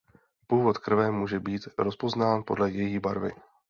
Původ krve může být rozpoznán podle její barvy.